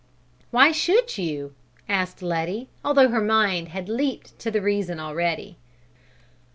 "Why should you?" asked Letty, although her mind had leaped to the reason already.